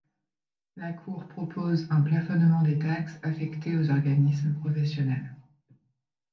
La Cour propose un plafonnement des taxes affectées aux organismes professionnels.